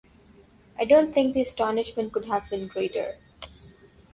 I don't think the astonishment could have been greater.